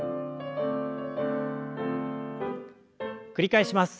繰り返します。